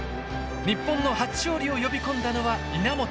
日本の初勝利を呼び込んだのは稲本。